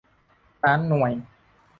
ล้านหน่วย